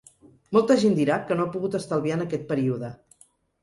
Molta gent dirà que no ha pogut estalviar en aquest període.